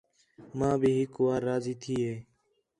ماں بھی ہِک وار راضی تھی ہے